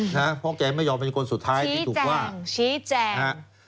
นะฮะพ่อแกไม่ยอมเป็นคนสุดท้ายติดถุกว่าชี้แจงชี้แจงฮะ